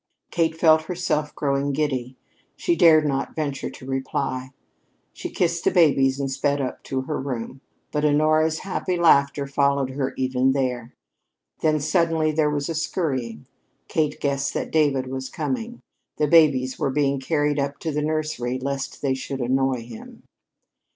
Kate felt herself growing giddy. She dared not venture to reply. She kissed the babies and sped up to her room. But Honora's happy laughter followed her even there. Then suddenly there was a scurrying. Kate guessed that David was coming. The babies were being carried up to the nursery lest they should annoy him.